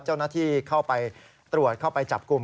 เจ้าหน้าที่เข้าไปตรวจเข้าไปจับกลุ่ม